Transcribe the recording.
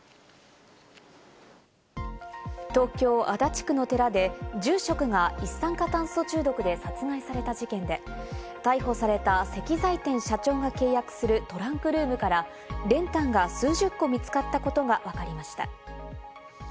東京・足立区の寺で住職が一酸化炭素中毒で殺害された事件で、逮捕された石材店社長が契約するトランクルームから練炭が数十個見つかったことがわかりました。